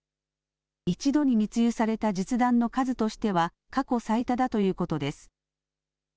一度に密輸された実弾の数としては過去最多だということです。